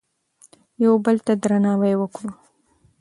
یو بل ته درناوی وکړو.